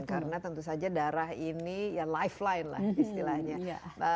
karena tentu saja darah ini ya lifeline lah istilahnya